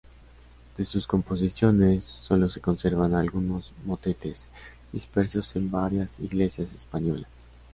De sus composiciones, sólo se conservan algunos motetes, dispersos en varias iglesias españolas.